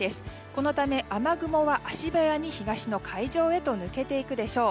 このため、雨雲は足早に東の海上へと抜けていくでしょう。